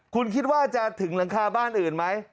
คุณคิดว่าจะถึงหลังคาบ้านอื่นไหม